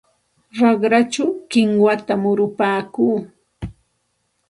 Raqrachaw kinwata murupaakuu.